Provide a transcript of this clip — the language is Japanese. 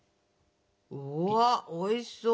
うわおいしそう。